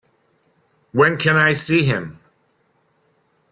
When can I see him?